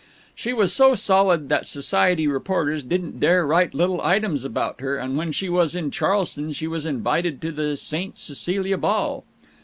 She was so solid that society reporters didn't dare write little items about her, and when she was in Charleston she was invited to the Saint Cecilia Ball.